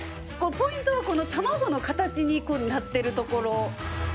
ポイントはたまごの形になってるところ。